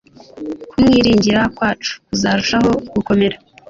kumwiringira kwacu kuzarushaho gukomera